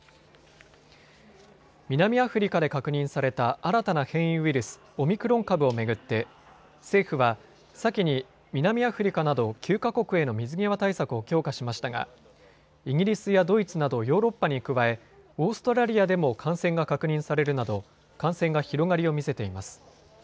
南アフリカで確認された新たな変異ウイルス、オミクロン株を巡って政府は先に南アフリカなど９か国への水際対策を強化しましたがイギリスやドイツなどヨーロッパに加えオーストラリアでも感染が確認されるなど感染が広がりを見せています。